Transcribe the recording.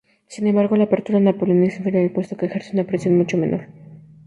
Sin embargo, la "apertura Napoleón" es inferior, puesto que ejerce una presión mucho menor.